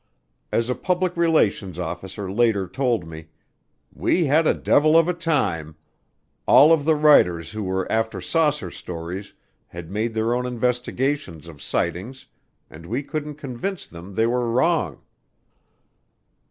As a public relations officer later told me, "We had a devil of a time. All of the writers who were after saucer stories had made their own investigations of sightings and we couldn't convince them they were wrong."